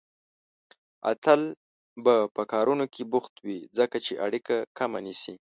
اتل به په کارونو کې بوخت وي، ځکه چې اړيکه کمه نيسي